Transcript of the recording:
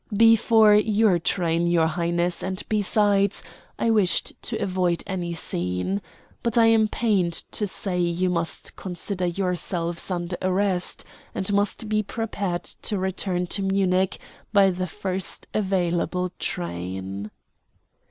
"Before your train, your Highness; and, besides, I wished to avoid any scene. But I am pained to say you must consider yourselves under arrest, and must be prepared to return to Munich by the first available train."